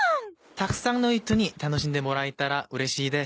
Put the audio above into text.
たくさんの人に楽しんでもらえたらうれしいです。